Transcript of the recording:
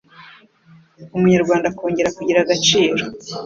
Umunyarwanda akongera kugira agaciro